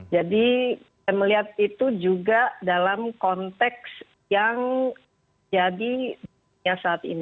jadi kita melihat itu juga dalam konteks yang jadi